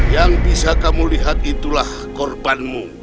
yang bisa kamu lihat itulah korbanmu